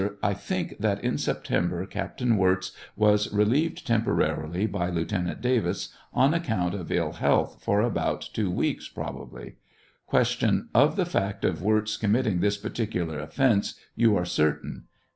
I think that in September Captain Wirz was relieved temporarily by Lieutenant Davis on account of ill health, for about two weeks, probably. Q. Of the fact of Wirz committing this particular offence you are certain?